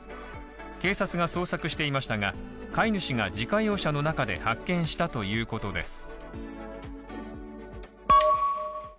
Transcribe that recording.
警察が捜索していましたが買い主が自家用車の中で発見したということです。